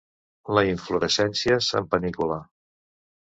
Les inflorescències en panícula.